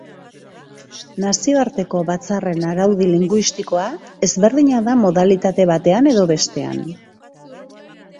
Nazioarteko batzarren araudi linguistikoa ezberdina da modalitate batean edo bestean.